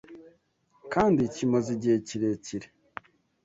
kandi kimaze igihe kirekire,